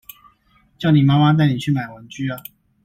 叫你媽媽帶你去買玩具啊